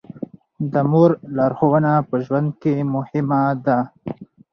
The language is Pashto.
د مور لارښوونه په ژوند کې مهمه ده.